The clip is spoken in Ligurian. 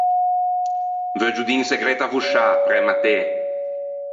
Veuggio dî un segretto à voscià, præ Mattê.